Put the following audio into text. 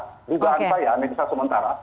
kebanyakan ya menitnya sementara